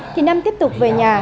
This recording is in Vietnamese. thì nam tiếp tục về nhà